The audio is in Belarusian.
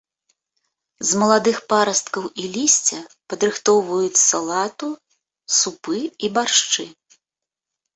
З маладых парасткаў і лісця падрыхтоўваюць салату, супы і баршчы.